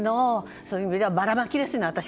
そういう意味ではばらまきですよね。